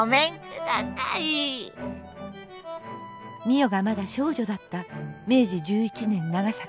美世がまだ少女だった明治１１年長崎。